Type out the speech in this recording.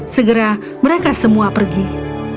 segera mereka berpikir apa yang akan terjadi